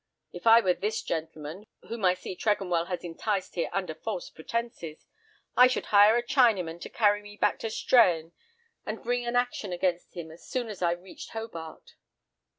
If I were this gentleman, whom I see Tregonwell has enticed here under false pretences, I should hire a Chinaman to carry me back to Strahan, and bring an action against him as soon as I reached Hobart."